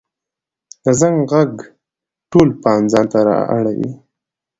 د زنګ ږغ ټول پام ځانته را اړوي.